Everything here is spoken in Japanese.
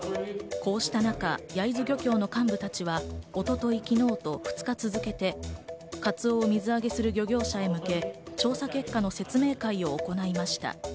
こうした中、焼津漁協の幹部たちは一昨日、昨日と２日続けてカツオを水揚げする漁業者に向け調査結果の説明会を行いました。